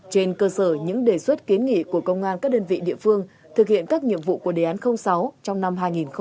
trên cơ sở những đề xuất kiến nghị của công an các đơn vị địa phương thực hiện các nhiệm vụ của đề án sáu trong năm hai nghìn hai mươi